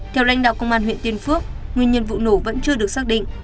theo lãnh đạo công an huyện tiên phước nguyên nhân vụ nổ vẫn chưa được xác định